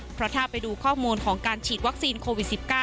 เพราะถ้าไปดูข้อมูลของการฉีดวัคซีนโควิด๑๙